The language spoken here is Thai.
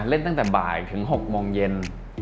เล่นตั้งแต่บ่ายถึง๖โมงเย็น